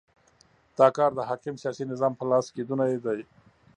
دا کار د حاکم سیاسي نظام په لاس کېدونی دی.